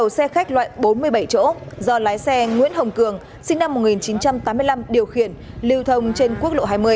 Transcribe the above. xe khách loại bốn mươi bảy chỗ do lái xe nguyễn hồng cường sinh năm một nghìn chín trăm tám mươi năm điều khiển lưu thông trên quốc lộ hai mươi